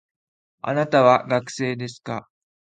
あなたは学生ですか